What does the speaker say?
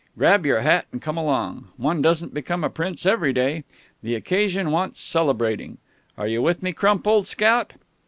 Grab your hat, and come along. One doesn't become a prince every day. The occasion wants celebrating. Are you with me, Crump, old scout?"